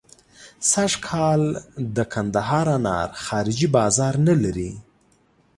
سږکال د کندهار انار خارجي بازار نه لري.